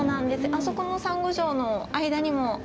あそこのサンゴ礁の間にも。